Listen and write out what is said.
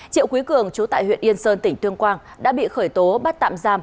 triệu quý cường chú tại huyện yên sơn tỉnh tuyên quang đã bị khởi tố bắt tạm giam